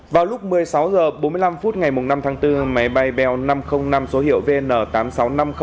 vào lúc một mươi sáu h bốn mươi năm ngày năm tháng bốn máy bay bell năm trăm linh năm đã được tìm thấy